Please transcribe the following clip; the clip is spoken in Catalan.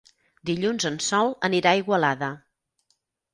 Dilluns en Sol anirà a Igualada.